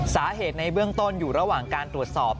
สาเหตุในเบื้องต้นอยู่ระหว่างการตรวจสอบ